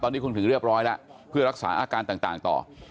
ตอนนี้คงถึงเรียบร้อยแล้วเพื่อรักษาอาการต่างต่อ